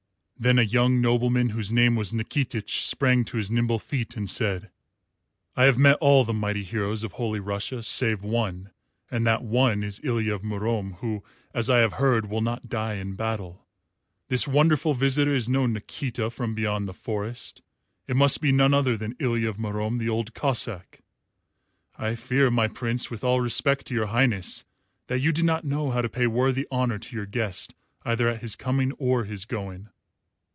Then a young nobleman, whose name was Nikitich, sprang to his nimble feet and said, "I have met all the mighty heroes of Holy Russia save one, and that one is Ilya of Murom, who, I have heard, will not die in battle. This wonderful visitor is no Nikita from beyond the Forest. It must be none other than Ilya of Murom the Old Cossáck. I fear, my Prince, with all respect to your Highness, that you did not know how to pay worthy honour to your guest either at his coming or his going."